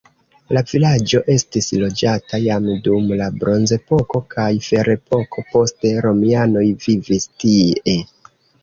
La vilaĝo estis loĝata jam dum la bronzepoko kaj ferepoko poste romianoj vivis tie.